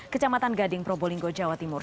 kecamatan gading probolinggo jawa timur